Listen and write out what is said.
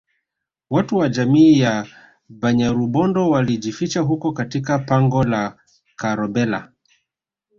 Watu wa jamii ya Banyarubondo walijificha huko katika pango la Karobhela